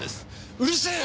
うるせえよ！